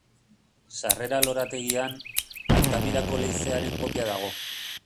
Sarrera lorategian, Altamirako leizearen kopia dago.